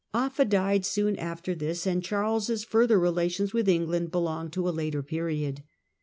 Offa died soon after this, and Charles' further relations with England belong to a later period.